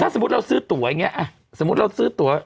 สมมุติเราเลื่อนไว้